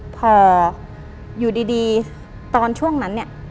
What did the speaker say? พออยู่ดีตอนช่วงนั้นเนี่ย